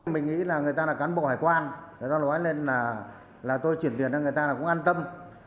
mình nghĩ là người ta là cán bộ hải quan tôi chuyển tiền cho người ta là cũng an tâm